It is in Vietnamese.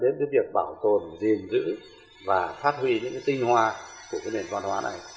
dẫn đến việc bảo tồn giềng giữ và phát huy những tinh hoa của nền vạn hóa này